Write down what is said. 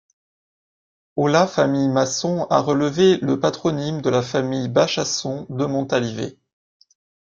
Au la famille Masson a relevé le patronyme de la famille Bachasson de Montalivet.